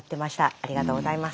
ありがとうございます。